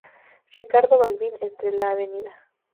Ricardo Balbín entre la av.